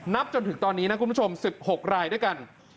จนถึงตอนนี้นะคุณผู้ชม๑๖รายด้วยกัน